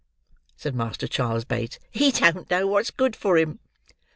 said Master Charles Bates; "he don't know what's good for him."